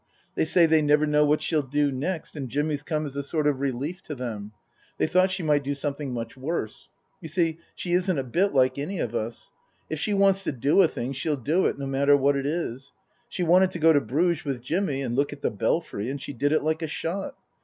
They say they never know what she'll do next, and Jimmy's come as a sort of relief to them. They thought she might do something much worse. You see, she isn't a bit like any of us. If she wants to do a thing she'll do it, no matter what it is. She wanted to go to Bruges with Jimmy and look at the Belfry, and she did it like a shot.